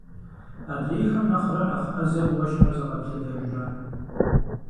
Адрейхэм нэхърэ нэхъ ӏэзэу уэ щхьэ зыкъэплъытэжрэ?